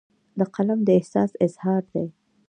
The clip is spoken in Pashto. قلم د احساس اظهار دی